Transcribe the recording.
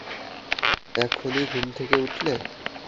এখনই ঘুম থেকে উঠলে?